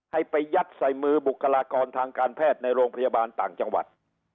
ให้ไปยัดใส่มือบุคลากรทางการแพทย์ในโรงพยาบาลต่างจังหวัด